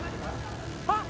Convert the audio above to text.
・あっ！